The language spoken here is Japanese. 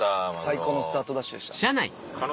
最高のスタートダッシュでした。